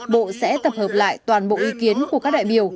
bộ sẽ tập hợp lại toàn bộ ý kiến của các đại biểu